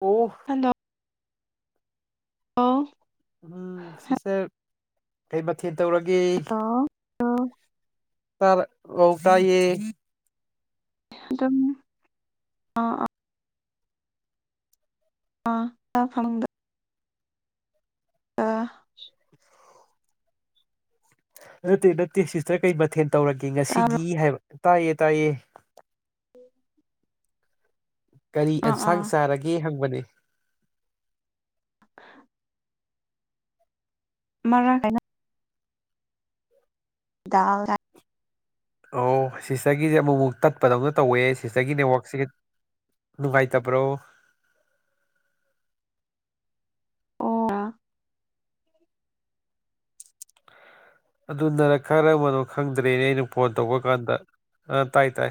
ꯑꯣ ꯑꯗꯣ ꯑꯣ ꯎꯝ ꯁꯤꯁꯇꯔ ꯀꯩꯕꯥꯛ ꯀꯩ ꯇꯧꯔꯒꯦ ꯍꯜꯂꯣ ꯇꯥꯔꯛ ꯇꯥꯏꯌꯦ ꯑꯗꯨꯝ ꯑꯥ ꯑꯥ [unintelligible] ꯑꯥ ꯅꯠꯇꯦ ꯅꯠꯇꯦ ꯁꯤꯁꯇꯔ ꯀꯩ ꯃꯊꯦꯜ ꯇꯧꯔꯒꯦ ꯇꯥꯕ꯭ꯔꯣ ꯉꯁꯤꯒꯤ ꯍꯥꯏꯕ ꯇꯥꯏꯌꯦ ꯇꯥꯏꯌꯦ ꯀꯔꯤ ꯑꯥ ꯑꯥ ꯑꯦꯟꯁꯥꯡ ꯆꯥꯔꯒꯦ ꯍꯪꯕꯅꯦ ꯑ [inaudible] ꯃꯔꯥꯡ ꯈꯥꯏꯅ ꯗꯥꯜꯒ ꯑꯣ ꯁꯤꯁꯇꯔꯒꯤꯁꯦ ꯑꯃꯨꯛꯃꯨꯛ ꯇꯠꯄꯗꯧꯅ ꯇꯧꯋꯦ ꯁꯤꯁꯇꯔꯒꯤ ꯅꯦꯠꯋꯥꯔꯛꯁꯦ ꯅꯨꯡꯉꯥꯏꯇꯕ꯭ꯔꯣ ꯑꯣ [unintelligible] ꯑꯗꯨꯅꯔ ꯀꯔꯝꯕꯅꯣ ꯈꯪꯗ꯭ꯔꯦꯅꯦ ꯑꯩꯅ ꯐꯣꯟ ꯇꯧꯕ ꯀꯥꯟꯗ ꯑ ꯇꯥꯏ ꯇꯥꯏ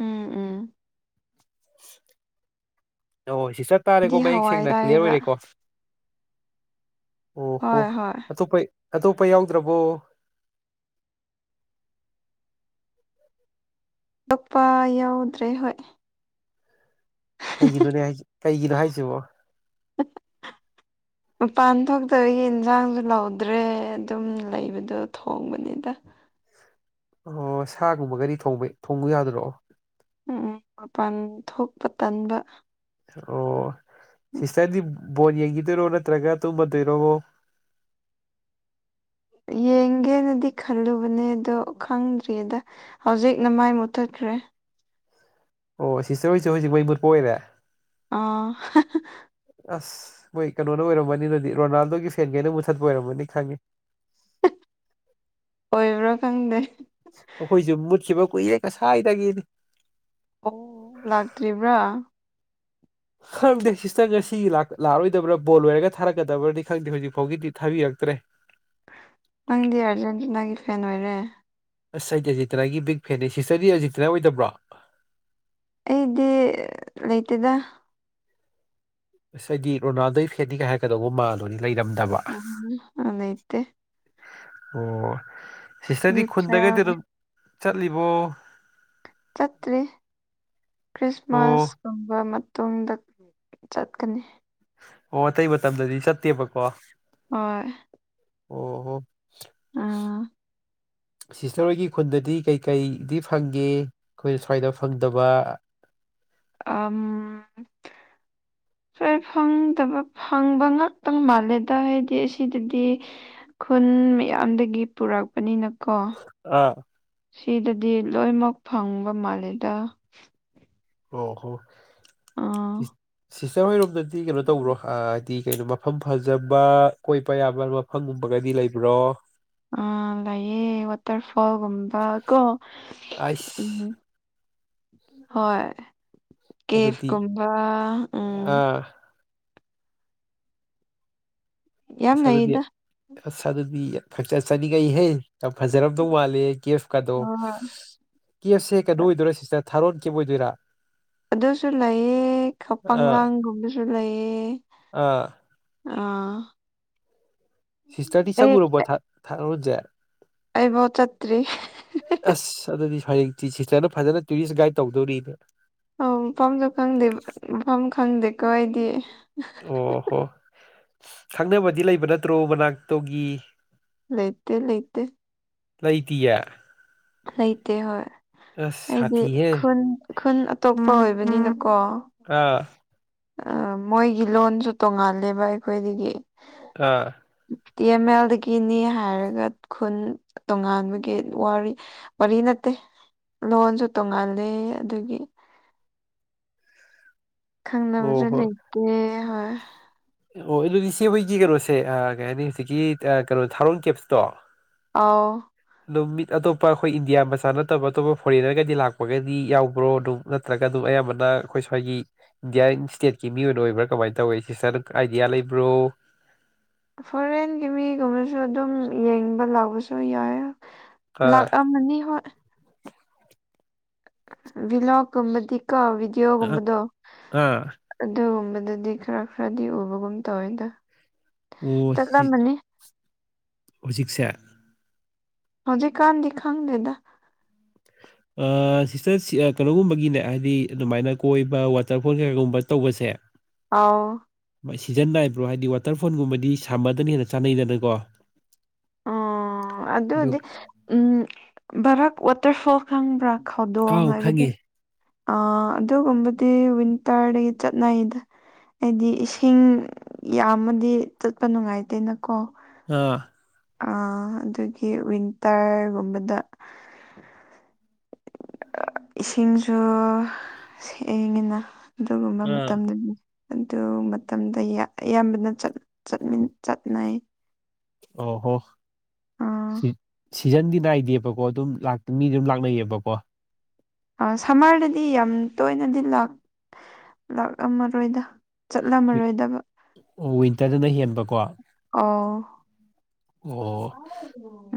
ꯎꯝ ꯎꯝ ꯑ ꯁꯤꯁꯪꯔ ꯑꯩꯗꯤ ꯇꯥꯥꯔꯦꯀꯣ ꯃꯌꯦꯛ ꯍꯋꯥꯏ ꯁꯦꯡꯅ ꯀ꯭ꯂꯤꯌꯥꯔ ꯆꯥꯏꯌꯦꯕ ꯑꯣꯏꯔꯦꯀꯣ ꯑꯣ ꯍꯣ ꯍꯣꯏ ꯍꯣꯏ ꯑꯇꯣꯞꯄ ꯑꯇꯣꯞꯄ ꯌꯥꯎꯗ꯭ꯔꯕꯣ ꯑꯛꯄ ꯌꯥꯎꯗ꯭ꯔꯦ ꯍꯣꯏ ꯀꯩꯒꯤꯅꯣꯅꯦ ꯍꯥꯏꯁꯦ ꯀꯩꯒꯤꯅꯣ ꯍꯥꯏꯁꯤꯕꯣ ꯑ [inaudible] ꯍ [inaudible] ꯃꯄꯥꯟ ꯊꯣꯛꯇꯕꯒꯤ ꯏꯟꯁꯥꯡꯁꯨ ꯂꯧꯗ꯭ꯔꯦ ꯑꯗꯨꯝ ꯂꯩꯕꯗꯣ ꯊꯣꯡꯕꯅꯤꯗ ꯑꯣ ꯁꯥꯒꯨꯝꯕꯒꯗꯤ ꯊꯣꯡꯕ ꯊꯣꯡꯕ ꯌꯥꯗꯔꯣ ꯎꯝ ꯎꯝ ꯃꯄꯥꯟ ꯊꯣꯛꯄ ꯇꯟꯕ ꯑꯣ ꯁꯤꯁꯇꯔꯗꯤ ꯕꯣꯜ ꯌꯦꯡꯈꯤꯗꯣꯏꯔꯣ ꯅꯠꯇ꯭ꯔꯒ ꯇꯨꯝꯃꯗꯣꯏꯔꯣ ꯌꯦꯡꯒꯦꯅꯗꯤ ꯈꯜꯂꯨꯕꯅꯦ ꯑꯗꯣ ꯈꯪꯗ꯭ꯔꯤꯌꯦꯗ ꯍꯧꯖꯤꯛꯅ ꯃꯩ ꯃꯨꯠꯊꯠꯈ꯭ꯔꯦ ꯑꯣ ꯁꯤꯁꯇꯔ ꯍꯣꯏꯁꯨ ꯍꯧꯖꯤꯛ ꯃꯩ ꯃꯨꯠꯄ ꯑꯣꯏꯔꯦ ꯑ [unintelligible] ꯑꯁ ꯃꯣꯏ ꯀꯩꯅꯣꯅ ꯑꯣꯏꯔꯝꯃꯅꯤ ꯑꯗꯨꯗꯤ ꯔꯣꯅꯥꯜꯗꯣꯒꯤ ꯐꯦꯟꯒꯩꯅ ꯃꯨꯠꯊꯠꯄ ꯑꯣꯏꯔꯝꯃꯅꯤ ꯈꯪꯉꯤ ꯑꯣꯏꯕ꯭ꯔꯥ ꯈꯪꯗꯦ ꯑꯩꯈꯣꯏꯁꯨ ꯃꯨꯠꯈꯤꯕ ꯀꯨꯏꯔ ꯉꯥꯁꯥꯏꯗꯒꯤꯅꯤ ꯑꯣ ꯂꯥꯛꯇ꯭ꯔꯤꯕ꯭ꯔꯥ ꯈꯪꯗꯦ ꯁꯤꯁꯇꯔ ꯉꯁꯤ ꯂꯥꯛꯑꯔꯣꯏꯗꯕ꯭ꯔꯥ ꯕꯣꯜ ꯂꯣꯏꯔꯒ ꯊꯥꯔꯛꯀꯗꯕ꯭ꯔꯗꯤ ꯈꯪꯗꯦ ꯍꯧꯖꯤꯛ ꯐꯥꯎꯒꯤꯗꯤ ꯊꯥꯕꯤꯔꯛꯇ꯭ꯔꯦ ꯅꯪꯗꯤ ꯑꯥꯔꯖꯦꯟꯇꯤꯅꯥꯒꯤ ꯐꯦꯟ ꯑꯣꯏꯔꯦ ꯑꯁ ꯑꯩꯗꯤ ꯑꯖꯤꯇꯅꯥꯒꯤ ꯕꯤꯛ ꯐꯦꯟꯅꯦ ꯁꯤꯁꯇꯔꯗꯤ ꯑꯖꯤꯇꯅꯥ ꯑꯣꯏꯗꯕ꯭ꯔꯣ ꯑꯩꯗꯤ ꯂꯩꯇꯗ ꯑꯁ ꯑꯩꯗꯤ ꯔꯣꯅꯥꯜꯗꯣ ꯐꯦꯟꯅꯤꯒ ꯍꯥꯏꯔꯀꯗꯧꯕ ꯃꯥꯜꯂꯨꯂꯦ ꯂꯩꯔꯝꯗꯕ ꯑ ꯂꯩꯇꯦ ꯑꯣ ꯁꯤꯁꯇꯔꯗꯤ ꯈꯨꯟꯒꯩꯗꯤ ꯅ꯭ꯌꯨꯇ꯭ꯔꯦꯜꯅꯤ ꯑꯗꯨꯝ ꯆꯠꯂꯤꯕꯣ ꯆꯠꯇ꯭ꯔꯤ ꯈ꯭ꯔꯤꯁꯃꯥꯁ ꯑꯣ ꯇꯨꯝꯕ ꯃꯇꯨꯡꯗ ꯆꯠꯀꯅꯤ ꯑꯣ ꯑꯇꯩ ꯃꯇꯝꯗꯗꯤ ꯆꯠꯇꯦꯕꯀꯣ ꯍꯣꯏ ꯑꯣꯍꯣ ꯑ ꯁꯤꯁꯇꯔꯍꯣꯏꯒꯤ ꯈꯨꯟꯗꯗꯤ ꯀꯩ ꯀꯩꯗꯤ ꯐꯪꯒꯦ ꯑꯩꯈꯣꯏꯅ ꯁ꯭ꯋꯥꯏꯗ ꯐꯪꯗꯕ ꯑꯝ [inaudible] ꯁꯣꯏ ꯐꯪꯗꯕ ꯐꯪꯕ ꯉꯥꯛꯇꯪ ꯃꯥꯜꯂꯦꯗ ꯍꯥꯏꯗꯤ ꯑꯁꯤꯗꯗꯤ ꯈꯨꯟ ꯃꯌꯥꯝꯗꯒꯤ ꯄꯨꯔꯛꯄꯅꯤꯅ ꯀꯣ ꯑꯥ ꯁꯤꯗꯗꯤ ꯂꯣꯏꯅꯃꯛ ꯐꯪꯕ ꯃꯥꯂꯦꯗ ꯑꯣ ꯍꯣ ꯑꯥ ꯁꯤꯁꯇꯔ ꯍꯣꯏꯔꯣꯝꯗꯗꯤ ꯀꯩꯅꯣ ꯇꯧꯕ꯭ꯔꯣ ꯍꯥꯏꯗꯤ ꯀꯩꯅꯣ ꯃ ꯃꯐꯝ ꯐꯖꯕ ꯀꯣꯏꯕ ꯌꯥꯕ ꯃꯐꯝꯒꯨꯝꯕꯒꯗꯤ ꯂꯩꯕ꯭ꯔꯣ ꯑ ꯂꯩꯌꯦ ꯋꯥꯇꯔ ꯐꯣꯜꯒꯨꯝꯕ ꯀꯣ ꯑꯩꯁ ꯎꯝ ꯍꯣꯏ ꯑꯗꯨꯗꯤ ꯀꯦꯐꯀꯨꯝꯕ ꯎꯝ ꯑꯥ ꯌꯥꯝ ꯑꯁ ꯑꯗꯨꯗꯤ ꯂꯩꯗ ꯑꯁ ꯑꯗꯨꯗꯤ ꯈꯡꯆꯥ ꯆꯥꯅꯤꯡꯉꯛꯢꯍꯦ ꯌꯥꯝ ꯐꯖꯔꯝꯗꯧ ꯃꯥꯂꯦ ꯀꯦꯐꯀꯗꯣ ꯍꯣꯏ ꯀꯦꯞꯁꯦ ꯀꯩꯅꯣ ꯍꯣꯏ ꯑꯣꯏꯗꯣꯏꯔꯥ ꯁꯤꯁꯇꯔ ꯊꯥꯔꯣꯟ ꯀꯦꯞ ꯑꯣꯏꯗꯣꯏꯔꯥ ꯑꯗꯨꯁꯨ ꯂꯩꯌꯦ ꯑꯥ ꯈꯄꯪꯂꯥꯡꯒꯨꯝꯕꯁꯨ ꯂꯩꯌꯦ ꯑꯥ ꯑꯥ ꯁꯤꯁꯇꯔꯗꯤ ꯆꯪꯉꯨꯔꯕ ꯊꯥ ꯊꯥꯔ‌ꯣꯟꯖꯦ ꯑꯩꯕꯨ ꯆꯠꯇ꯭ꯔꯤ ꯑꯁ ꯑꯗꯨꯗꯤ ꯍꯌꯦꯡ ꯁꯤꯁꯇꯔꯅ ꯐꯖꯅ ꯇꯨꯔꯤꯁ ꯒꯥꯏꯠ ꯇꯧꯗꯧꯔꯤꯅꯦ ꯑꯧ ꯃꯐꯝꯁꯨ ꯈꯪꯗꯦ ꯃꯐꯝ ꯈꯪꯗꯦꯀꯣ ꯑꯩꯗꯤ ꯑꯣ ꯍꯣ ꯈꯪꯅꯕꯗꯤ ꯂꯩꯕ ꯅꯠꯇ꯭ꯔꯣ ꯃꯅꯥꯛꯇꯣꯒꯤ ꯂꯩꯇ‌ꯦ ꯂꯩꯇ‌ꯦ ꯂꯩꯇꯤꯌ‌ꯦ ꯂꯩꯇꯦ ꯍꯣꯏ ꯑꯁ ꯑꯩꯗꯤ ꯁꯥꯊꯤꯍꯦ ꯈꯨꯟ ꯈꯨꯟ ꯑꯇꯣꯞꯄ ꯑꯣꯏꯕꯅꯤꯅꯀꯣ ꯑꯥ ꯑ ꯃꯣꯏꯒꯤ ꯂꯣꯟꯁꯨ ꯇꯣꯡꯉꯥꯜꯂꯦꯕ ꯑꯩꯈꯣꯏꯗꯒꯤ ꯑꯥ ꯇꯤ ꯑꯦꯝ ꯑꯦꯜꯗꯒꯤꯅꯤ ꯍꯥꯏꯔꯒ ꯈꯨꯟ ꯇꯣꯉꯥꯟꯕꯒꯤ ꯋꯥꯔꯤ ꯋꯥꯔꯤ ꯅꯠꯇꯦ ꯂꯣꯟꯁꯨ ꯇꯣꯡꯉꯂꯦ ꯑꯗꯨꯒꯤ ꯑꯣ ꯈꯪꯅꯕꯁꯨ ꯍꯣꯏ ꯂꯩꯇꯦ ꯍꯣꯏ ꯑꯣ ꯑꯗꯨꯗꯤ ꯏꯆꯦ ꯍꯣꯏꯒꯤ ꯀꯩꯅꯣꯁꯦ ꯀꯩ ꯍꯥꯏꯅꯤ ꯍꯧꯖꯤꯛꯀꯤ ꯀꯩꯅꯣ ꯊꯥꯔꯣꯟ ꯀꯦꯞꯁꯇꯣ ꯑꯥꯎ ꯑꯗꯨꯝ ꯃꯤꯠ ꯑꯇꯣꯞꯄ ꯑꯩꯈꯣꯏ ꯏꯟꯗꯤꯌꯥ ꯃꯆꯥ ꯅꯠꯇꯕ ꯑꯇꯣꯞꯄ ꯐꯣꯔꯦꯟꯅꯔꯒꯗꯤ ꯂꯥꯛꯄꯒꯗꯤ ꯌꯥꯎꯕ꯭ꯔꯣ ꯑꯗꯨꯝ ꯅꯠꯇ꯭ꯔꯒ ꯑꯗꯨꯝ ꯑꯌꯥꯝꯕꯅ ꯑꯩꯈꯣꯏ ꯁ꯭ꯋꯥꯏꯒꯤ ꯏꯟꯗꯤꯌꯥꯟ ꯁ꯭ꯇꯦꯠꯀꯤ ꯃꯤ ꯑꯣꯏꯅ ꯑꯣꯏꯕ꯭ꯔꯥ ꯀꯃꯥꯏꯅ ꯇꯧꯏꯤ ꯁꯤꯁꯇꯔ ꯑꯥꯏꯗꯤꯌꯥ ꯂꯩꯕ꯭ꯔꯣ ꯐꯣꯔꯦꯟꯒꯤ ꯃꯤꯒꯨꯝꯕꯁꯨ ꯑꯗꯨꯝ ꯌꯦꯡꯕ ꯂꯥꯛꯕꯁꯨ ꯌꯥꯎꯏ ꯑꯥ ꯂꯥꯛ ꯃꯅꯤ ꯍꯣꯏ ꯕꯤꯂꯣꯛ ꯀꯨꯝꯕꯗꯤꯀꯣ ꯑꯥ ꯗꯤꯗꯤꯑꯣꯒꯨꯝꯕꯗꯣ ꯑꯥ ꯑꯗꯨꯒꯨꯝꯕꯗꯨꯗꯤ ꯈꯔ ꯈꯔꯗꯤ ꯎꯕꯒꯨꯝ ꯇꯧꯋꯦꯗ ꯑꯣ ꯁꯤ ꯆꯠꯂꯝꯃꯅꯤ ꯍꯧꯖꯤꯛꯁꯦ ꯍꯧꯖꯤꯛ ꯀꯥꯟꯗꯤ ꯈꯪꯗꯦꯗ [unintelligible] ꯑ ꯁꯤꯁꯇꯔ ꯀꯩꯅꯣꯒꯨꯝꯕꯒꯤꯅꯦ ꯍꯥꯏꯗꯤ ꯑꯗꯨꯃꯥꯏꯅ ꯀꯣꯏꯕ ꯋꯥꯇꯔꯐꯣꯜ ꯀꯩꯒꯨꯝꯕ ꯇꯧꯕꯁꯦ ꯑꯥꯎ ꯁꯤꯖꯟ ꯅꯥꯏꯕ꯭ꯔꯣ ꯍꯥꯏꯗꯤ ꯋꯥꯇꯔꯐꯣꯟꯜꯒꯨꯝꯕꯗꯤ ꯁꯝꯃꯔꯗꯅ ꯍꯦꯟꯅ ꯆꯥꯅꯩꯗꯅꯀꯣ ꯑꯣ ꯑꯗꯨ ꯑꯗꯨꯗꯤ ꯎꯝ ꯚꯔꯥꯛ ꯋꯥꯇꯔꯐꯣꯜ ꯈꯪꯕ꯭ꯔꯥ ꯈꯧꯗꯣꯡ ꯑꯥꯎ ꯍꯥꯏꯕꯗꯣ ꯈꯪꯉꯦ ꯑ ꯑꯗꯨꯒꯨꯝꯕꯗꯤ ꯋꯤꯟꯇꯔꯗꯒꯤ ꯆꯠꯅꯩꯗ ꯍꯥꯏꯗꯤ ꯏꯁꯤꯡ ꯌꯥꯝꯃꯗꯤ ꯆꯠꯄ ꯅꯨꯡꯉꯥꯏꯇ‌ꯦꯅꯀꯣ ꯑꯥ ꯑ ꯑꯗꯨꯒꯤ ꯋꯤꯟꯇꯔꯒꯨꯝꯕꯗ ꯏꯁꯤꯡꯁꯨ ꯁꯦꯡꯏꯉꯤꯅ ꯑꯗꯨꯒꯨꯝꯕ ꯑꯥ ꯃꯇꯝꯗꯗꯤ ꯑꯗꯨ ꯃꯇꯝꯗ ꯑꯌꯥꯝ ꯑꯌꯥꯝꯕꯅ ꯆꯠꯅꯩ ꯑꯣ ꯍꯣ ꯑꯥ [unintelligible] ꯁꯤꯖꯟꯗꯤ ꯅꯥꯏꯗꯦꯕꯀꯣ ꯑꯗꯨꯝ ꯃꯤ ꯑꯗꯨꯝ ꯂꯥꯛꯅꯩꯌꯦꯕꯀꯣ ꯑ ꯁꯝꯃꯔꯗꯗꯤ ꯌꯥꯝ ꯇꯣꯏꯅꯗꯤ ꯂ ꯂꯥꯛꯑꯃꯔꯣꯏꯗ ꯆꯠꯂꯝꯃꯔꯣꯏꯗꯕ ꯑꯣ ꯋꯤꯟꯇꯔꯗꯅ ꯍꯦꯟꯕꯀꯣ ꯑꯣ ꯑꯣ [unintelligible]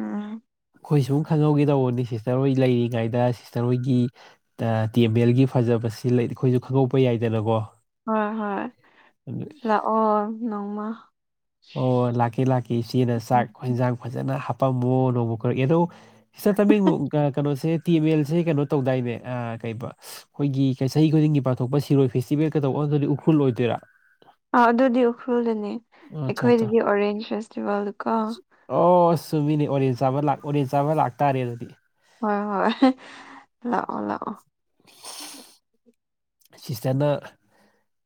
ꯑꯩꯈꯣꯏ ꯁꯨꯝ ꯈꯪꯍꯧꯒꯦ ꯇꯧꯕꯅꯤ ꯁꯤꯁꯇꯔ ꯍꯣꯏ ꯂꯩꯔꯤꯉꯩꯗ ꯁꯤꯁꯇꯔ ꯍꯣꯏꯒꯤ ꯇꯦꯝꯕꯦꯜꯒꯤ ꯐꯖꯕꯁꯤ ꯂꯩ ꯑꯩꯈꯣꯏꯁꯨ ꯈꯪꯉꯧꯕ ꯌꯥꯏꯗꯅꯀꯣ ꯍꯣꯏ ꯍꯣꯏ ꯂꯥꯛꯑꯣ ꯅꯣꯡꯃ ꯑꯣ ꯂꯥꯛꯀꯦ ꯂꯥꯛꯀꯦ ꯏꯆꯦꯅ ꯆꯥꯛ ꯍꯟꯖꯥꯡ ꯐꯖꯅ ꯍꯥꯄꯝꯃꯣ ꯅꯣꯡꯃ ꯀꯣꯏꯔꯛꯀꯦ ꯑꯗꯣ ꯁꯤꯁꯇꯔ ꯇꯃꯦꯡꯂꯣꯡ ꯀꯩꯅꯣꯁꯦ ꯇꯤꯃꯦꯜꯁꯦ ꯀꯩꯅꯣ ꯇꯧꯗꯥꯏꯅꯦ ꯑ ꯀꯩꯕ ꯑꯩꯈꯣꯏꯒꯤ ꯆꯍꯤ ꯈꯨꯗꯤꯡꯒꯤ ꯄꯥꯡꯊꯣꯛꯄ ꯁꯤꯔꯣꯏ ꯐꯦꯁꯇꯤꯚꯦꯜ ꯀꯩꯗꯧꯕ ꯑꯗꯨꯗꯗꯤ ꯎꯈ꯭ꯔꯨꯜ ꯑꯣꯏꯗꯣꯏꯔꯥ ꯑꯥ ꯑꯗꯨꯗꯤ ꯎꯈ꯭ꯔꯨꯜꯗꯅꯦ ꯑꯣ ꯑꯠꯆꯥ ꯑꯠꯆꯥ ꯑꯩꯈꯣꯏꯗꯗꯤ ꯑꯣꯔꯦꯟꯁ ꯐꯦꯁꯇꯤꯚꯦꯜꯗꯨ ꯀꯣ ꯑꯣ ꯆꯨꯨꯝꯃꯤꯅꯤ ꯑꯣꯔꯦꯟꯁ ꯆꯥꯕ ꯂꯥꯛ ꯑꯣꯔꯦꯟꯁ ꯆꯥꯕ ꯂꯥꯛꯇꯥꯔꯦ ꯑꯗꯨꯗꯤ ꯍꯣꯏ ꯍꯣꯏ ꯂꯥꯛꯑꯣ ꯂꯥꯛꯑꯣ ꯁꯤꯁꯇꯔꯅ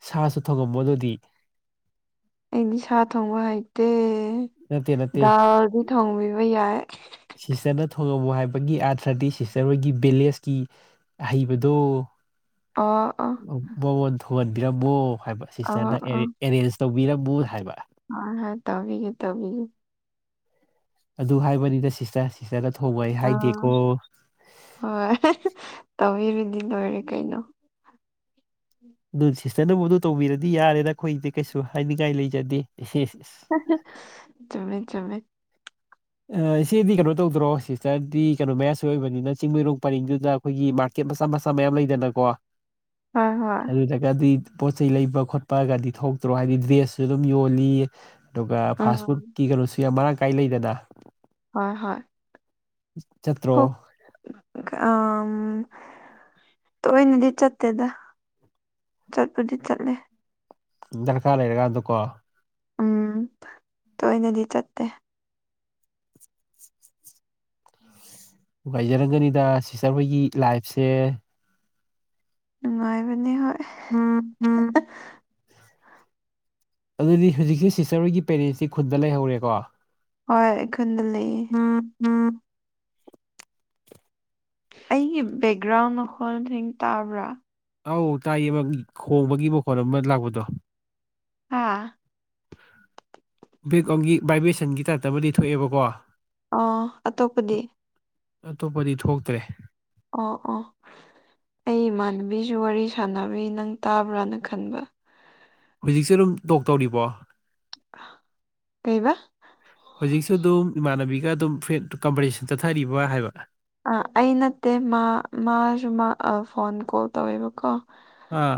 ꯁꯥꯁꯨ ꯊꯣꯡꯉꯝꯃꯨ ꯑꯗꯨꯗꯤ ꯑꯩꯗꯤ ꯁꯥ ꯊꯣꯡꯕ ꯍꯩꯇꯦ ꯅꯠꯇꯦ ꯅꯠꯇꯦ ꯗꯥꯜꯗꯤ ꯊꯣꯡꯕꯤꯕ ꯌꯥꯏ ꯁꯤꯁꯇꯔꯅ ꯊꯣꯡꯉꯝꯃꯨ ꯍꯥꯏꯕꯒꯤ ꯑꯥꯔꯊ꯭ꯔꯗꯤ ꯁꯤꯁꯇꯔ ꯍꯣꯏꯒꯤ ꯚꯤꯂꯦꯖꯀꯤ ꯑꯍꯩꯕꯗꯣ ꯑꯣ ꯑꯣ ꯃꯉꯣꯟ ꯊꯣꯡꯍꯟꯕꯤꯔꯝꯃꯣ ꯍꯥꯏꯕ ꯑꯣ ꯁꯤꯁꯇꯔꯅ ꯑꯣ ꯑꯦꯔꯦꯟꯖ ꯇꯧꯕꯤꯔꯝꯃꯣ ꯍꯥꯏꯕ ꯍꯣꯏ ꯍꯣꯏ ꯇꯧꯕꯤꯒꯦ ꯇꯧꯕꯤꯒꯦ ꯑꯗꯨ ꯍꯥꯏꯕꯅꯤꯗ ꯁꯤꯁꯇꯔ ꯁꯤꯁꯇꯔꯒ ꯊꯣꯡꯕ ꯑꯩ ꯑꯥ ꯍꯥꯏꯗꯦꯀꯣ ꯍꯣꯏ ꯇꯧꯕꯤꯔꯗꯤ ꯂꯣꯏꯔꯦ ꯀꯩꯅꯣ ꯑꯗꯨ ꯁꯤꯁꯇꯔꯅꯕꯨ ꯑꯗꯨ ꯇꯧꯕꯤꯔꯗꯤ ꯌꯥꯔꯦꯗ ꯑꯩꯈꯣꯏꯗꯤ ꯀꯩꯁꯨ ꯍꯥꯏꯅꯤꯡꯉꯥꯏ ꯂꯩꯖꯗꯦ [unintelligible] ꯆꯨꯝꯃꯦ ꯆꯨꯝꯃꯦ ꯑ ꯏꯆꯦꯗꯤ ꯀꯩꯅꯣ ꯇꯧꯗ꯭ꯔꯣ ꯁꯤꯁꯇꯔꯗꯤ ꯀꯩꯅꯣ ꯃꯌꯥꯁꯨ ꯑꯣꯏꯕꯅꯤꯅ ꯆꯤꯡꯃꯩꯔꯣꯡ ꯄꯔꯤꯡꯗꯨꯗ ꯑꯩꯈꯣꯏꯒꯤ ꯃꯥꯔꯀꯦꯠ ꯃꯆꯥ ꯃꯆꯥ ꯃꯌꯥꯝ ꯂꯩꯗꯅꯀꯣ ꯍꯣꯏ ꯍꯣꯏ ꯑꯗꯨ ꯒꯥꯗꯤ ꯄꯣꯠ ꯆꯩ ꯂꯩꯕ ꯈꯣꯠꯄꯒꯗꯤ ꯊꯣꯛꯇ꯭ꯔꯣ ꯍꯥꯏꯗꯤ ꯗ꯭ꯔꯦꯁꯁꯨ ꯑꯗꯨꯝ ꯌꯣꯜꯂꯤ ꯑꯗꯨꯒ ꯐꯥꯁ ꯎꯝ ꯐꯨꯗꯀꯤ ꯀꯩꯅꯣꯁꯨ ꯌꯥꯝ ꯃꯔꯥꯡ ꯀꯥꯏ ꯂꯩꯗꯅ ꯍꯣꯏ ꯍꯣꯏ ꯆꯠꯇ꯭ꯔꯣ ꯀꯣꯛ ꯑꯝ ꯇꯣꯏꯅꯗꯤ ꯆꯠꯇꯦꯗ ꯆꯠꯄꯗꯤ ꯆꯠꯂꯦ ꯗꯔꯀꯥꯔ ꯂꯩꯔꯀꯥꯟꯗꯀꯣ ꯎꯝ ꯇꯣꯏꯅꯗꯤ ꯆꯠꯇꯦ ꯎꯝ ꯅꯨꯡꯉꯥꯏꯖꯔꯒꯅꯤꯗ ꯁꯤꯁꯇꯔ ꯍꯣꯏꯒꯤ ꯂꯥꯏꯐꯁꯦ ꯅꯨꯡꯉꯥꯏꯕꯅꯦ ꯍꯣꯏ [unintelligible] ꯑꯗꯨꯗꯤ ꯍꯧꯖꯤꯛꯁꯦ ꯁꯤꯁꯇꯔ ꯍꯣꯏꯒꯤ ꯄꯦꯔꯦꯟꯁꯁꯤ ꯈꯨꯟꯗ ꯂꯩꯍꯧꯔꯦꯀꯣ ꯍꯣꯏ ꯈꯨꯟꯗ ꯂꯩꯌꯦ ꯑꯩꯒꯤ ꯕꯦꯛꯒ꯭ꯔꯥꯎꯟ ꯃꯈꯣꯟ ꯁꯤꯡ ꯇꯥꯕ꯭ꯔꯥ ꯑꯧ ꯇꯥꯏꯌꯦ ꯑꯃ ꯈꯣꯡꯕꯒꯤ ꯃꯈꯣꯜ ꯑꯃ ꯂꯥꯛꯄꯗꯣ ꯍꯥꯥ ꯕꯦꯛ ꯑꯝꯒꯤ ꯚꯥꯏꯕ꯭ꯔꯦꯁꯟꯒꯤ ꯇꯥꯏꯞꯇ ꯑꯃꯗꯤ ꯊꯣꯛꯑꯦꯕꯀꯣ ꯑꯣ ꯑꯇꯣꯞꯄꯗꯤ ꯑꯇꯣꯞꯄꯗꯤ ꯊꯣꯛꯇ꯭ꯔꯦ ꯑꯣ ꯑꯣ ꯑꯩ ꯏꯃꯥꯟꯅꯕꯤꯁꯨ ꯋꯥꯔꯤ ꯁꯥꯟꯅꯕꯩ ꯅꯪ ꯇꯥꯕ꯭ꯔꯥꯅ ꯈꯟꯕ ꯍꯧꯖꯤꯛꯁꯦ ꯑꯗꯨꯝ ꯇꯣꯛ ꯇꯧꯔꯤꯕꯣ [unintelligible] ꯀꯩꯕꯥ ꯍꯧꯖꯤꯛꯁꯨ ꯑꯗꯨꯝ ꯏꯃꯥꯟꯅꯕꯤꯒ ꯑꯗꯨꯝ ꯐꯦꯟ ꯀꯝꯄꯤꯔꯤꯁꯟ ꯆꯠꯊꯔꯤꯕ ꯍꯥꯏꯕ ꯑ ꯑꯩ ꯅꯠꯇꯦ ꯃꯥ ꯃꯥꯁꯨ ꯐꯣꯟ ꯀꯣꯜ ꯇꯧꯋꯦꯕꯀꯣ ꯑꯥ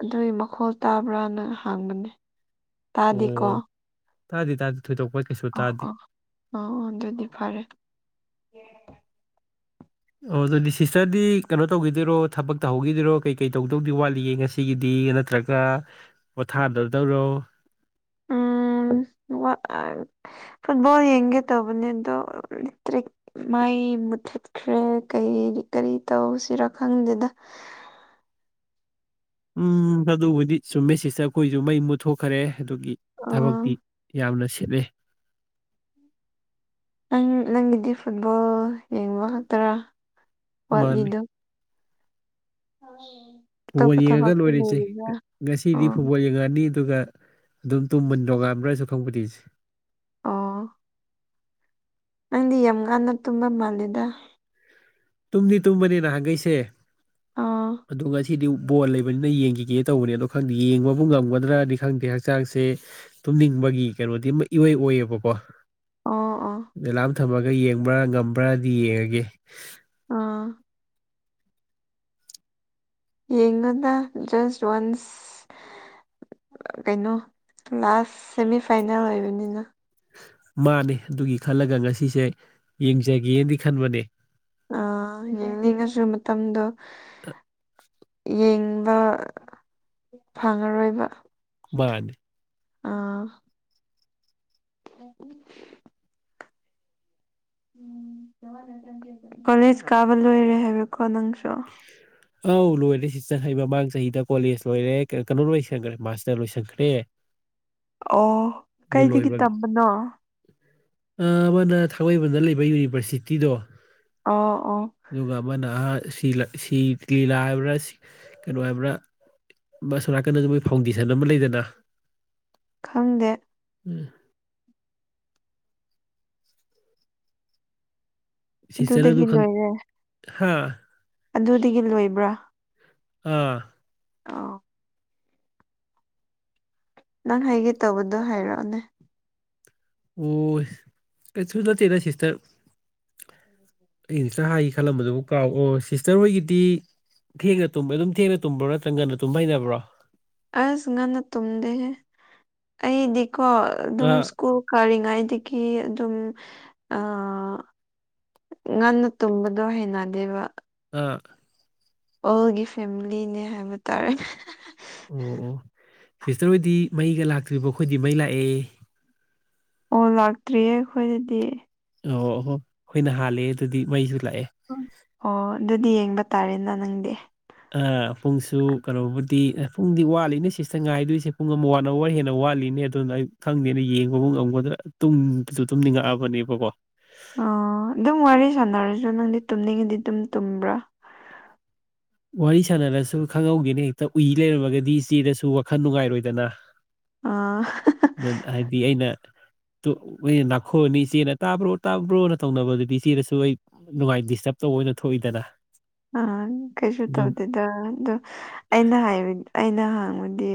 ꯑꯗꯨꯏ ꯃꯈꯣꯜ ꯇꯥꯕ꯭ꯔꯥꯅ ꯍꯥꯡꯕꯅꯦ ꯇꯥꯗꯦꯀꯣ ꯑꯣ ꯇꯥꯗꯦ ꯇꯥꯗꯦ ꯊꯣꯏꯗꯣꯛꯄ ꯀꯩꯁꯨ ꯑꫭ ꯇꯥꯗꯦ ꯑꫭ ꯑꫭ ꯑꯗꯨꯗꯤ ꯐꯔꯦ ꯑꯣ ꯑꯗꯨꯗꯤ ꯁꯤꯁꯇꯔꯗꯤ ꯀꯩꯅꯣ ꯇꯧꯈꯤꯗꯣꯏꯔꯣ ꯊꯕꯛ ꯇꯧꯍꯧꯈꯤꯗꯣꯏꯔꯣ ꯀꯩ ꯀꯩ ꯇꯧꯗꯧꯗꯤ ꯋꯥꯠꯂꯤꯒꯦ ꯉꯁꯤꯒꯤꯗꯤ ꯅꯠꯇ꯭ꯔꯒ ꯒ ꯄꯣꯊꯥꯗꯗꯧꯔꯣ ꯎꯝ ꯋꯥꯠ ꯐꯨꯠꯕꯣꯜ ꯌꯦꯡꯒꯦ ꯇꯧꯕꯅꯤ ꯑꯗꯨ ꯔꯤꯇꯥꯛ ꯃꯥꯏ ꯃꯨꯊꯠꯈ꯭ꯔꯦ ꯀ ꯀꯔꯤ ꯇꯧꯁꯤꯔꯥ ꯈꯪꯗꯦꯗ ꯎꯝ ꯑꯗꯨꯕꯨꯗꯤ ꯆꯨꯝꯃꯦ ꯁꯤꯁꯇ ꯑꯩꯈꯣꯏꯁꯨ ꯃꯩ ꯃꯨꯠ ꯊꯣꯛꯈꯔꯦ ꯑꯗꯨꯒꯤ ꯑꯥ ꯊꯕꯛꯇꯤ ꯌꯥꯝꯅ ꯁꯦꯠꯂꯦ ꯅꯪ ꯅꯪꯒꯤꯗꯤ ꯐꯨꯠꯕꯣꯜ ꯌꯦꯡꯕ ꯈꯛꯇꯔꯥ ꯃꯥꯅꯤ ꯋꯥꯠꯂꯤꯗꯣ ꯇꯥꯏꯌꯦ ꯕꫭꯟ ꯌꯦꯡꯉꯒ ꯂꯣꯏꯔꯤꯁꯦ ꯉꯁꯤꯗꯤ ꯑꯣ ꯐꯨꯠꯕꯣꯜ ꯌꯦꯡꯉꯛꯑꯅꯤ ꯑꯗꯨꯒ ꯑꯗꯨꯝ ꯇꯨꯝꯃꯅꯤ ꯅꯣꯉꯥꯟꯕ꯭ꯔꯥꯁꯨ ꯈꯪꯄꫭꯟꯗꯦ ꯁꯦ ꯑꯣ ꯅꯪꯗꯤ ꯌꯥꯝ ꯉꯥꯟꯟꯅ ꯇꯨꯝꯕ ꯃꯥꯜꯂꯦꯗ ꯇꯨꯝꯗꯤ ꯇꯨꯝꯕꯅꯤ ꯅꯍꯥꯟꯈꯩꯁꯦ ꯑꯥ ꯑꯗꯨ ꯉꯁꯤ ꯁꯤꯗꯤ ꯕꯣꯜ ꯂꯩꯕꯅꯤꯅ ꯌꯦꯡꯈꯤꯒꯦ ꯇꯧꯕꯅꯦ ꯑꯗꯣ ꯈꯪꯗꯦ ꯌꯦꯡꯕꯕꯨ ꯉꯝꯒꯗ꯭ꯔꯅꯤ ꯈꯪꯗꯦ ꯍꯛꯆꯥꯡꯁꯦ ꯇꯨꯝꯅꯤꯡꯕꯒꯤ ꯀꯩꯅꯣꯗꯤ ꯑꯃ ꯏꯣꯏ ꯑꯣꯏꯌꯦꯕꯀꯣ ꯑꯣ ꯑꯣ ꯑꯦꯂꯥꯝ ꯊꯝꯃꯒ ꯌꯦꯡꯕ꯭ꯔꯥ ꯉꯝꯕ꯭ꯔꯥꯗꯤ ꯌꯦꯡꯉꯒꯦ ꯑꯥ ꯌꯦꯡꯉꯨꯗ ꯖꯁ ꯋꯥꯟꯁ ꯀꯩꯅꯣ ꯂꯥꯁ ꯁꯦꯃꯤ ꯐꯥꯏꯅꯦꯜ ꯑꯣꯏꯕꯅꯤꯅ ꯃꯥꯅꯦ ꯑꯗꯨꯒꯤ ꯈꯜꯂꯒ ꯉꯁꯤꯁꯦ ꯌꯦꯡꯖꯒꯦꯅꯗꯤ ꯈꯟꯕꯅꯦ ꯑꯥ ꯌꯦꯅꯤꯡꯉꯁꯨ ꯃꯇꯝꯗꯣ ꯌꯦꯡꯕ ꯐꯪꯉꯔꯣꯏꯕ ꯃꯥꯅꯦ ꯑꯥ [inaudible] [unintelligible] ꯀꯣꯂꯦꯖ ꯀꯥꯕ ꯂꯣꯏꯔꯦ ꯍꯥꯏꯕꯀꯣ ꯅꯪꯁꯨ [inaudible] ꯑꯧ ꯂꯣꯏꯔꯦ ꯁꯤꯁꯇ ꯑꯩ ꯃꯃꯥꯡ ꯆꯍꯤꯗ ꯀꯣꯂꯦꯖ ꯂꯣꯏꯔꯦ ꯀꯩꯅꯣ ꯂꯣꯏꯁꯟꯈ꯭ꯔꯦ ꯃꯥꯁꯇ ꯂꯣꯏꯁꯟꯈ꯭ꯔꯦ ꯑꯣ ꯑꯗꯨ ꯀꯩꯗꯒꯤ ꯂꯣꯏꯕ꯭ꯔ ꯇꯝꯕꯅꯣ ꯑꯃꯅ ꯊꯥꯡꯃꯩꯕꯟꯗ ꯂꯩꯕ ꯌꯨꯅꯤꯚ꯭ꯔꯁꯤꯇꯤꯗꯣ ꯑꯣ ꯑꯣ ꯑꯗꯨꯒ ꯑꯃꯅ ꯑꯍ ꯁꯤ ꯂꯤꯂꯥ ꯁꯤ ꯀꯩꯂꯥ ꯍꯥꯏꯕ꯭ꯔꯥ ꯀꯩꯅꯣ ꯍꯥꯏꯕ꯭ꯔꯥ ꯃꯣꯏ ꯑꯁꯣꯝ ꯅꯥꯀꯟꯗ ꯃꯣꯏ ꯐꯥꯎꯟꯗꯦꯁꯟ ꯑꯃ ꯂꯩꯗꯅ ꯈꯪꯗꯦ ꯎꯝ ꯁꯤꯁꯇꯅ ꯑꯗꯨ ꯑꯗꯨꯗꯒꯤ ꯈꯪ ꯂꯣꯏꯔꯦ ꯍꯥ ꯑꯗꯨꯗꯒꯤ ꯂꯣꯏꯕ꯭ꯔꯥ ꯑꯥ ꯑꫭ ꯅꯪ ꯍꯥꯏꯒꯦ ꯇꯧꯕꯗꯣ ꯍꯥꯏꯔꯛꯑꯣꯅꯦ ꯑꯣ ꯀꯩꯁꯨ ꯅꯠꯇꯦꯗꯥ ꯁꯤꯁꯇꯔ [inaudible] ꯑꯩ ꯍꯧꯖꯤꯛꯇ ꯍꯥꯏꯒꯦ ꯈꯜꯂꯝꯕꯗꯨꯕꯨ ꯀꯥꯎ ꯑꯣ ꯁꯤꯁꯇꯔ ꯍꯣꯏꯒꯤꯗꯤ ꯊꯦꯡꯅ ꯇꯨꯝꯕ ꯑꯗꯨꯝ ꯊꯦꯡꯅ ꯇꯨꯝꯕ꯭ꯔꯣ ꯅꯠꯇ꯭ꯔ ꯉꯟꯅ ꯇꯨꯝꯕ ꯍꯩꯅꯕ꯭ꯔꯣ ꯑꯁ ꯉꯟꯅ ꯇꯨꯝꯗꯦꯍꯦ ꯑꯩꯗꯤꯀꯣ ꯑꯗꯨꯝ ꯑꯥ ꯁ꯭ꯀꯨꯜ ꯀꯥꯔꯤꯉꯥꯏꯗꯒꯤ ꯑꯗꯨꯝ ꯑ ꯉꯟꯅ ꯇꯨꯝꯕꯗꯣ ꯍꯩꯅꯗꯦꯕ ꯑꯥꯛ ꯑꯣꯜꯒꯤ ꯐꯦꯃꯤꯂꯤꯅꯦ ꯍꯥꯏꯕ ꯇꯥꯔꯦ ꯑꯣ ꯑꯣ ꯁꯤꯁꯇꯔ ꯍꯣꯏꯗꯤ ꯃꯩꯒ ꯂꯥꯛꯇ꯭ꯔꯤꯕꯣ ꯈꯣꯏꯗꯤ ꯃꯩ ꯂꯥꯛꯑꯦ ꯑꯣ ꯂꯥꯛꯇ꯭ꯔꯤꯌꯦ ꯑꯈꯣꯏꯗꯗꯤ ꯑꯣ ꯍꯣ ꯑꯈꯣꯏꯅ ꯍꯥꯜꯂꯦ ꯑꯗꯨꯗꯤ ꯃꯩꯁꯨ ꯂꯥꯛꯑꯦ ꯑꯣ ꯗꯨꯗꯤ ꯌꯦꯡꯕ ꯇꯥꯔꯦꯅ ꯅꯪꯗꯤ ꯑ ꯄꯨꯡꯁꯨ ꯀꯅꯣꯕꯨꯗꯤ ꯑ ꯄꯨꯡꯗꯤ ꯋꯥꯠꯂꯤꯅꯦ ꯁꯤꯁꯇ ꯉꯥꯏꯗꯣꯏꯁꯤ ꯄꯨꯡ ꯑꯃ ꯋꯥꯟ ꯑꯋꯥꯔ ꯍꯦꯟꯅ ꯋꯥꯠꯂꯤꯅꯦ ꯑꯗꯨ ꯗꯨꯅ ꯑꯩ ꯈꯪꯗꯦꯅ ꯌꯦꯡꯕꯕꯨ ꯉꯝꯒꯗ꯭ꯔ ꯇꯨꯝꯁꯨ ꯇꯨꯝꯅꯤꯡꯉꯛꯑꯕꯅꯦꯕꯀꯣ ꯑ ꯗꯨꯝ ꯋꯥꯔꯤ ꯁꯥꯟꯅꯔꯁꯨ ꯅꯪꯗꯤ ꯇꯨꯝꯅꯤꯡꯉꯤꯗꯤ ꯑꯗꯨꯝ ꯇꯨꯝꯕ꯭ꯔꯥ ꯋꯥꯔꯤ ꯁꯥꯟꯅꯔꯁꯨ ꯈꯪꯍꯧꯒꯦꯅꯦ ꯍꯦꯛꯇ ꯎꯏ ꯂꯩꯔꯝꯃꯒꯗꯤ ꯏꯆꯦꯗꯁꯨ ꯋꯥꯈꯜ ꯅꯨꯡꯉꯥꯏꯔꯣꯏꯗꯅ ꯑꯥ ꯍ ꯅꯠ ꯍꯥꯏꯗꯤ ꯑꯩꯅ ꯇꯨ ꯃꯣꯏꯅ ꯅꯥꯈꯣꯛꯑꯅꯤ ꯏꯆꯦꯅ ꯇꯥꯕ꯭ꯔꯣ ꯇꯥꯕ꯭ꯔꯣꯅ ꯇꯧꯅꯕ ꯗꯨꯗꯤ ꯏꯆꯦꯗꯁꯨ ꯑꯩ ꯅꯨꯡꯉꯥꯏ ꯗꯤꯁꯇꯞ ꯇꯧꯕ ꯑꯣꯏꯅ ꯊꯣꯛꯏꯗꯅ ꯑ ꯀꯩꯁꯨ ꯑꯗꯨꯒꯤ ꯇꯧꯗꯦꯗ ꯗꯨ ꯑꯩꯅ ꯍꯥꯏ ꯑꯩꯅ ꯍꯥꯡꯕꯗꯤ